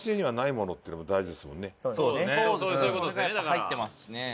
入ってますしね。